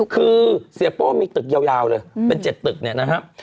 คือเสียโป้มีตึกยาวเลยเป็น๗ตึกเนี่ยนะครับ